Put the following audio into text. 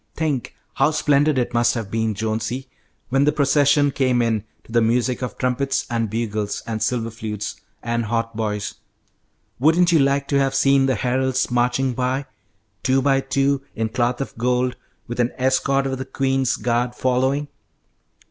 "Think how splendid it must have been, Jonesy, when the procession came in to the music of trumpets and bugles and silver flutes and hautboys! Wouldn't you like to have seen the heralds marching by, two by two, in cloth of gold, with an escort of the queen's guard following?